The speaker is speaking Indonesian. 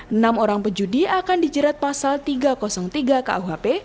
enam orang pejudi akan dijerat pasal tiga ratus tiga kuhp